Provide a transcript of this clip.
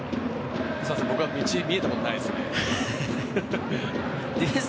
すみません、僕は道、見えたことないですね。